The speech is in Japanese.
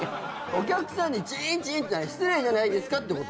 お客さんにチーンチーンってのは失礼じゃないですかってことです。